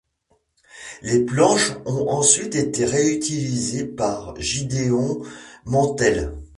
Les planches ont ensuite été réutilisées par Gideon Mantell.